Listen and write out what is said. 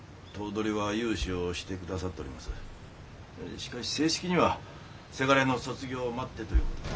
しかし正式にはせがれの卒業を待ってということに。